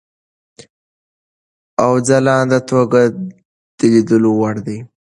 او ځلانده توګه د لیدلو وړ دی.